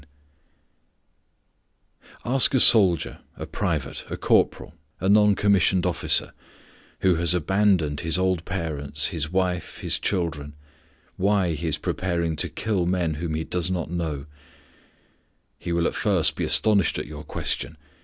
IV Ask a soldier, a private, a corporal, a non commissioned officer, who has abandoned his old parents, his wife, his children, why he is preparing to kill men whom he does not know; he will at first be astonished at your question.